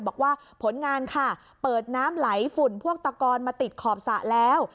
บอกว่าผลงานค่ะเปิดน้ำไหลฝุ่นพวกตะกอนมาติดขอบสระแล้ว